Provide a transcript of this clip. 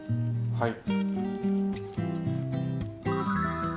はい。